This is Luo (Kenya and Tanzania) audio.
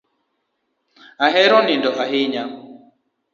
Ahero nindo ahinya